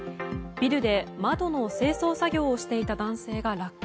ビルで窓の清掃作業をしていた男性が落下。